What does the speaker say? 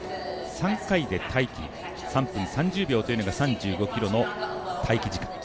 ３回で待機、３分３０秒というのが３５ｋｍの待機時間。